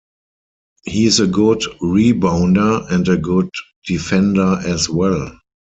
He is a good rebounder, and a good defender as well.